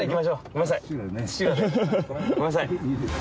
ごめんなさい！